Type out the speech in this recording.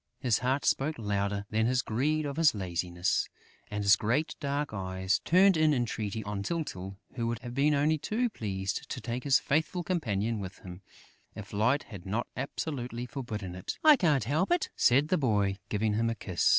His heart spoke louder than his greed or his laziness; and his great dark eyes turned in entreaty on Tyltyl, who would have been only too pleased to take his faithful companion with him, if Light had not absolutely forbidden it: "I can't help it," said the boy, giving him a kiss.